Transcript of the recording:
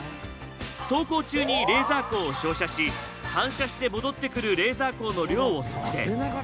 走行中にレーザー光を照射し反射して戻ってくるレーザー光の量を測定。